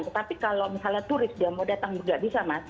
tetapi kalau misalnya turis dia mau datang nggak bisa mas